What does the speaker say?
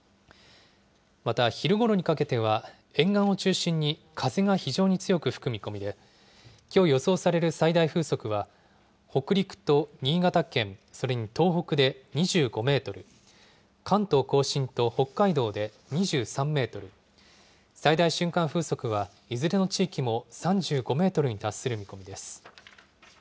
また昼ごろにかけては沿岸を中心に風が非常に強く吹く見込みで、きょう予想される最大風速は北陸と新潟県、それに東北で２５メートル、関東甲信と北海道で２３メートル、最大瞬間風速はいずれの地域も３５メートルに達する見込みです。